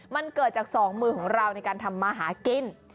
มันเกิดจากสองมือของเราในการทำมาหากิน